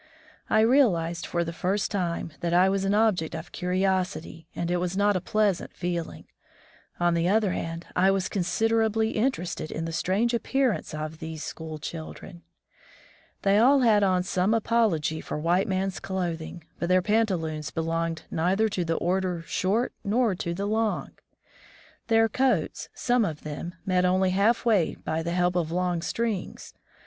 I realized for the first time that I was an object of curiosity, and it was not a pleasant feeling. On the other hand, I was consider ably interested in the strange appearance of these school children. They all had on some apology for white man's clothing, but their pantaloons belonged neither to the order short nor to the long. Their coats, some of them, met only half way by the help of long strings.